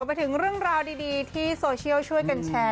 ไปถึงเรื่องราวดีที่โซเชียลช่วยกันแชร์